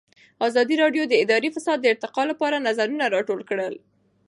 ازادي راډیو د اداري فساد د ارتقا لپاره نظرونه راټول کړي.